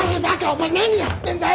お前何やってんだよ！